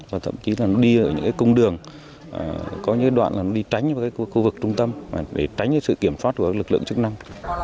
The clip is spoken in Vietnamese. và thậm chí là nó đi ở những công đường có những đoạn là nó đi tránh vào khu vực trung tâm để tránh sự kiểm soát của lực lượng chức năng